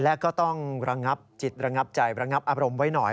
และก็ต้องระงับจิตระงับใจระงับอารมณ์ไว้หน่อย